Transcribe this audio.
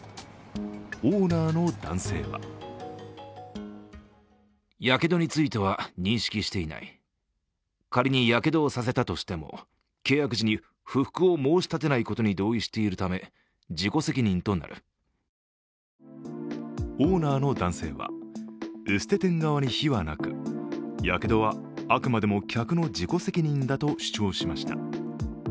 オーナーの男性はオーナーの男性はエステ店側に非はなくやけどはあくまでも客の自己責任だと主張しました。